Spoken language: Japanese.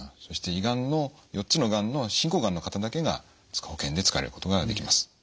そして胃がんの４つのがんの進行がんの方だけが保険で使われることができます。